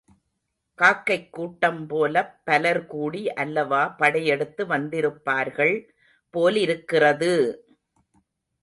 காக்கைக் கூட்டம்போலப் பலர்கூடி அல்லவா படையெடுத்து வந்திருப்பார்கள் போலிருக்கிறது!